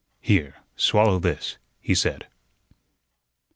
"Here, swallow this," he said.